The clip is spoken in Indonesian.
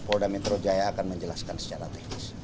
polda metro jaya akan menjelaskan secara teknis